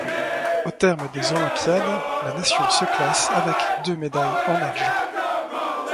Au terme des Olympiades, la nation se classe avec deux médailles en argent.